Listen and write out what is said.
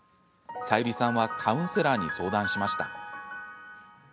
サユリさんはカウンセラーに相談しました。